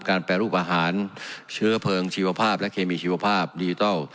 แปรรูปอาหารเชื้อเพลิงชีวภาพและเคมีชีวภาพดิจิทัล